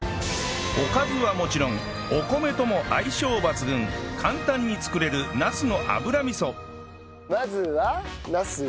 おかずはもちろんお米とも相性抜群簡単に作れるまずはナスを。